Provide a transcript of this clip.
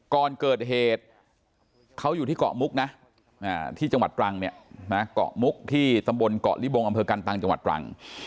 ก่อนเกิดเหตุเขาอยู่ที่เกาะมุกนะที่จังหวัดตรังเนี่ยนะเกาะมุกที่ตำบลเกาะลิบงอำเภอกันตังจังหวัดตรัง